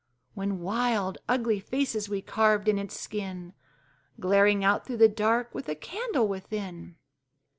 When wild, ugly faces we carved in its skin, Glaring out through the dark with a candle within!